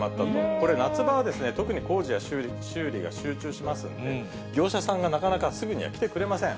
これ、夏場は、特に工事や修理が集中しますので、業者さんがなかなかすぐには来てくれません。